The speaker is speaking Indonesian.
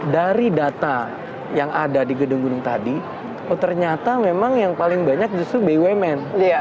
dari data yang ada di gedung gedung tadi oh ternyata memang yang paling banyak justru bumn